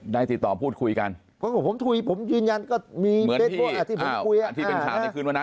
ได้ติดต่อพูดคุยกันผมยืนยันก็มีเบสบ้วนที่ผมคุย